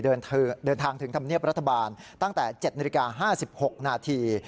เดินทางถึงธรรมเนียบรัฐบาลตั้งแต่๗นาฬิกา๕๖นาที